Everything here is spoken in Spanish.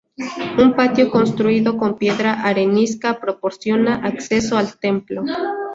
Un patio construido con piedra arenisca proporciona acceso el templo.